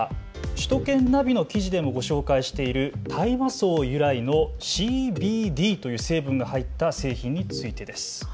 首都圏ナビの記事でもご紹介している大麻草由来のＣＢＤという成分が入った製品についてです。